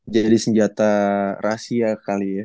jadi senjata rahasia kali ya